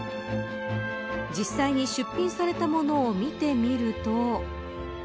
実際に出品されたものを見てみると。